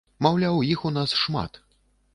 Маўляў, іх у нас шмат.